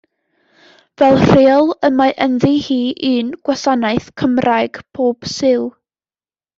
Fel rheol, y mae ynddi hi un gwasanaeth Cymraeg bob Sul.